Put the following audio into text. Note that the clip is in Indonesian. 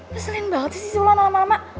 lo selain baltis sih si wulan lama lama